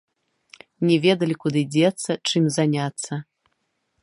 Не ведалі, куды дзецца, чым заняцца.